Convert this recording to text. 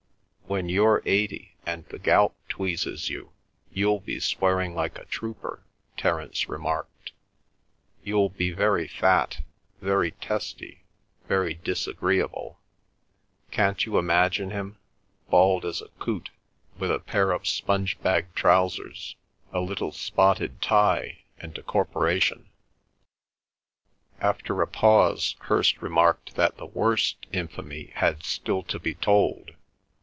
"When you're eighty and the gout tweezes you, you'll be swearing like a trooper," Terence remarked. "You'll be very fat, very testy, very disagreeable. Can't you imagine him—bald as a coot, with a pair of sponge bag trousers, a little spotted tie, and a corporation?" After a pause Hirst remarked that the worst infamy had still to be told.